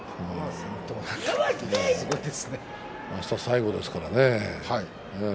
あしたは最後ですからね。